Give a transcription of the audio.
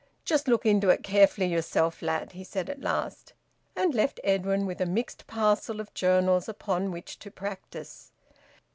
"Just look into it carefully yerself, lad," he said at last, and left Edwin with a mixed parcel of journals upon which to practise.